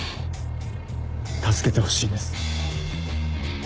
助けてほしいんです。